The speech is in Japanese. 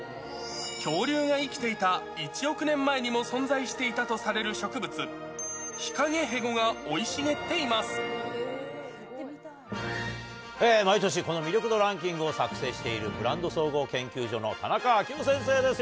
恐竜が生きていた１億年前にも存在していたとされる植物、毎年、この魅力度ランキングを作成している、ブランド総合研究所の田中章雄先生です。